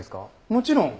もちろん。